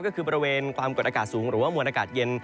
ก็คือบริเวณความกดอากาศสูงหรือว่ามวลอากาศเย็น